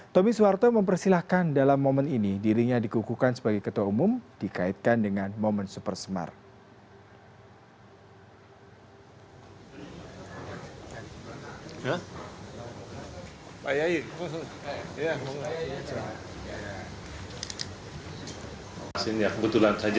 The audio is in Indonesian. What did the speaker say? tommy suwarto mempersilahkan dalam momen ini dirinya dikukuhkan sebagai ketua umum dikaitkan dengan momen supersmart